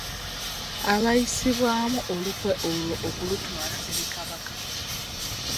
Abaayisibwamu olukwe olwo okulutwala eri Kabaka.